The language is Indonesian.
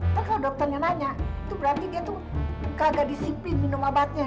tapi kalau dokternya nanya itu berarti dia tuh kagak disiplin minum obatnya